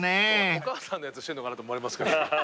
お母さんのやつしてんのかなって思われます。